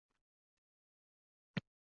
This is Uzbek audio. O`zimni tutolmay yig`lab yubordim